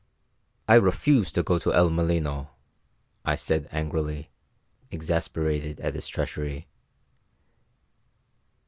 "I refuse to go to El Molino," I said angrily, exasperated at his treachery.